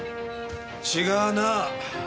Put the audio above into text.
違うな。